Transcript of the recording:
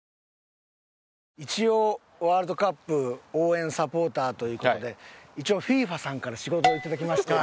一応ワールドカップ応援サポーターという事で一応ＦＩＦＡさんから仕事を頂きまして。